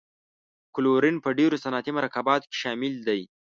کلورین په ډیرو صنعتي مرکباتو کې شامل دی.